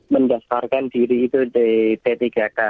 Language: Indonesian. mendaftarkan diri itu di p tiga k